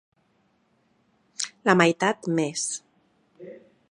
La meitat més.